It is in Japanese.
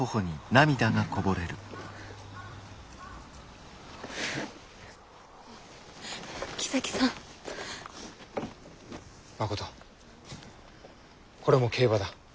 誠これも競馬だ。